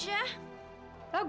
ya iya gue kerjain tenang aja